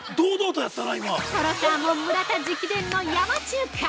◆とろサーモン・村田直伝の山中華！